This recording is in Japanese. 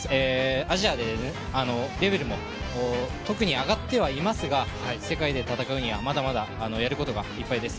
アジアで、レベルも特に上がってはいますが、世界で戦うには、まだまだやることがいっぱいです。